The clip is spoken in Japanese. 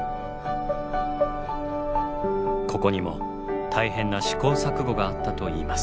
ここにも大変な試行錯誤があったといいます。